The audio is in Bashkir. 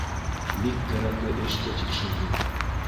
Бик кәрәкле эште тикшерҙек.